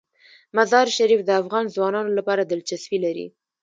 مزارشریف د افغان ځوانانو لپاره دلچسپي لري.